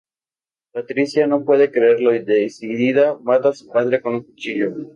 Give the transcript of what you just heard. Patricia no puede creerlo y decidida mata a su padre con un cuchillo.